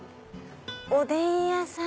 おでん屋さん！